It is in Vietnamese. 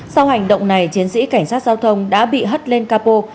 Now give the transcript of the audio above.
sau hành động này chiến sĩ cảnh sát giao thông đã bị hất lên cà phô